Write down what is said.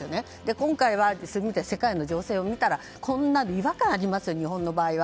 今回、世界の情勢を見たらこんなの違和感ありますよ日本の場合は。